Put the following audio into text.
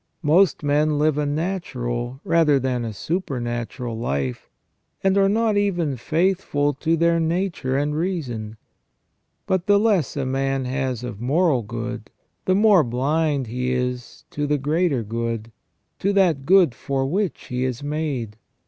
Most men Uve a natural rather than a supernatural life, and are not even faithful to their nature and reason. But the less a man has of moral good, the more blind he is to the greater good, to that good for which he is made.